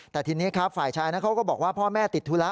แต่ทีนี้ครับฝ่ายชายเขาก็บอกว่าพ่อแม่ติดธุระ